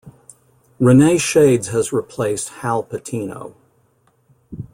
Rene Shades has replaced "Hal Patino".